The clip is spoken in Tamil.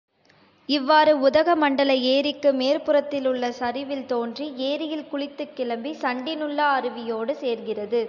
இவ்வாறு உதகமண்டல ஏரிக்கு மேற்புறத்திலுள்ள சரிவில் தோன்றி, ஏரியில் குளித்துக் கிளம்பி, சண்டி நுல்லா அருவியோடு சேர்கிறது.